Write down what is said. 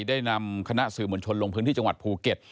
ได้นำคณะสื่อมวลชนลงพื้นที่จังหวัดภูเก็ต